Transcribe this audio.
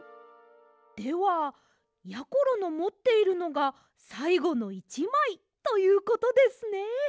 ではやころのもっているのがさいごの１まいということですね。